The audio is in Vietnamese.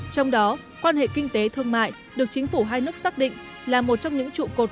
trong đó quan hệ kinh tế thương mại được chính phủ hai nước xác định là một trong những trụ cột